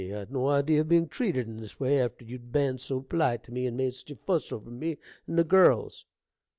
I'd no idee of being treated in this way, after you'd ben so polite to me, and made such a fuss over me and the girls.